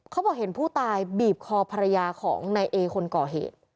เขาบอกเห็นผู้ตายบีบคอภรรยาของนายเอคนก่อเหตุ